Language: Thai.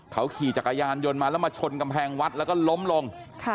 เขาขี่จักรยานยนต์มาแล้วมาชนกำแพงวัดแล้วก็ล้มลง